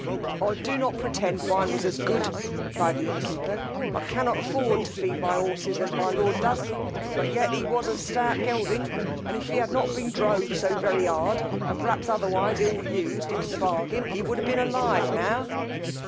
I do not pretend mine was as good, replied the innkeeper, I cannot afford to feed my horses as my lord does; but yet he was a stout gelding, and if he had not been drove so very hard, and perhaps otherwise ill used into the bargain, he would have been alive now.